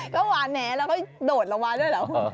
ก็หวานแหนแล้วเขาโดดระวังด้วยเหรอ